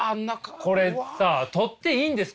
これさ撮っていいんですかここ。